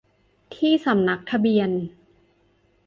ที่สำนักทะเบียน